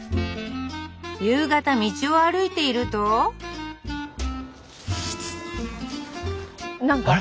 夕方道を歩いているとなんか